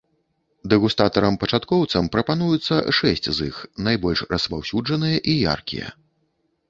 Дэгустатарам-пачаткоўцам прапануюцца шэсць з іх, найбольш распаўсюджаныя і яркія.